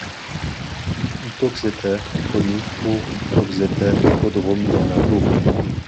Uttoxeter est connu pour Uttoxeter Hippodrome dans la bourg.